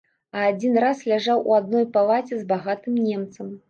А адзін раз ляжаў у адной палаце з багатым немцам.